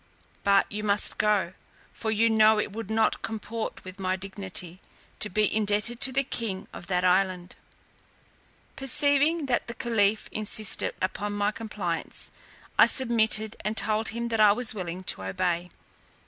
But you must go; for you know it would not comport with my dignity, to be indebted to the king of that island." Perceiving that the caliph insisted upon my compliance, I submitted, and told him that I was willing to obey.